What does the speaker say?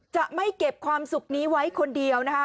จะไม่เก็บความสุขนี้ไว้คนเดียวนะคะ